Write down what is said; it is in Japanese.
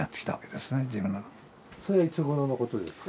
それはいつごろのことですか？